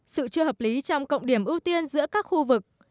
sự chưa hợp lý trong cộng điểm ưu tiên giữa các khu vực